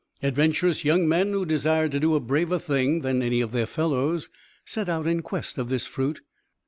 Adventurous young men, who desired to do a braver thing than any of their fellows, set out in quest of this fruit.